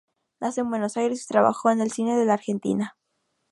Nace en Buenos Aires y trabajó en el cine de la Argentina.